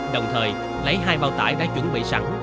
đồng thời lấy hai bao tải đã chuẩn bị sẵn